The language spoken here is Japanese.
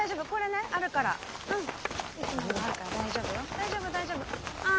大丈夫大丈夫。